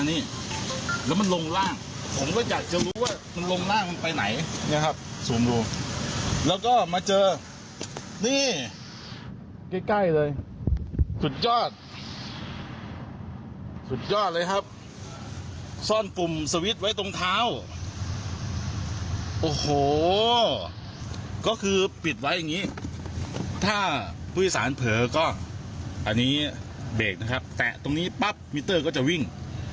เออก็อันนี้เบรกนะครับแตะตรงนี้ปั๊บมิเตอร์ก็จะวิ่ง